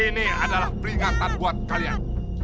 ini adalah peringatan buat kalian